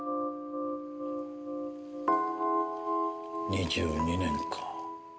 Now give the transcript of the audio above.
２２年か。